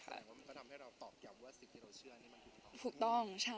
นี่ดูคอนทราต